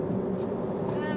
うん。